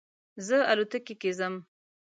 زه الوتکې کې ځم